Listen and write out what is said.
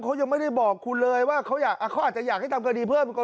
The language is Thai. เขายังไม่ได้บอกคุณเลยว่าเขาอาจจะอยากให้ทำคดีเพิ่ม